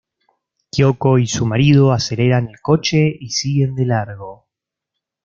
Kyoko y su marido aceleran el coche y siguen de largo.